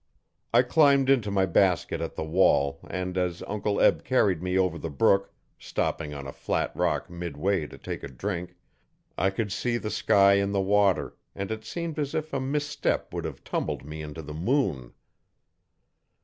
I climbed into my basket at the wall and as Uncle Eb carried me over the brook, stopping on a flat rock midway to take a drink, I could see the sky in the water, and it seemed as if a misstep would have tumbled me into the moon.